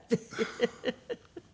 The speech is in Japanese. フフフフ。